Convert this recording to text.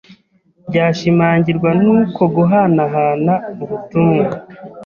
byashimangirwa n’uko guhanahana ubutumwa